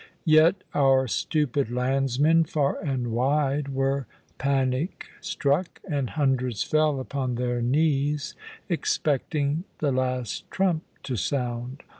Yet our stupid landsmen, far and wide, were panic struck; and hundreds fell upon their knees, expecting the last trump to sound.